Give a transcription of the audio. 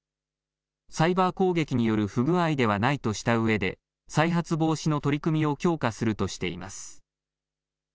サイバー攻撃による不具合ではないとしたうえで、再発防止の取り組みを強化するとしています。